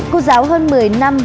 cô giáo hơn một mươi năm